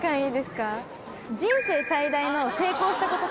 人生最大の成功したこと？